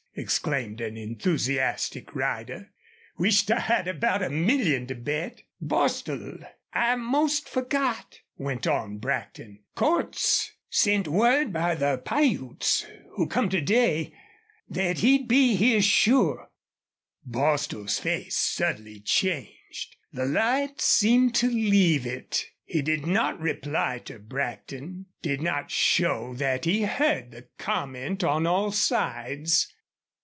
exclaimed an enthusiastic rider. "Wisht I had about a million to bet!" "Bostil, I 'most forgot," went on Brackton, "Cordts sent word by the Piutes who come to day thet he'd be here sure." Bostil's face subtly changed. The light seemed to leave it. He did not reply to Brackton did not show that he heard the comment on all sides.